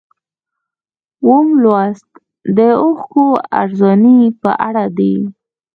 اووم لوست د اوښکو ارزاني په اړه دی.